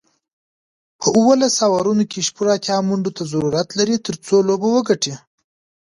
په اوولس اورونو کې شپږ اتیا منډو ته ضرورت لري، ترڅو لوبه وګټي